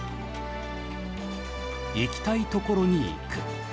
行きたいところに行く。